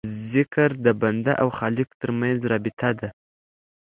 ذکر د بنده او خالق ترمنځ رابطه ده.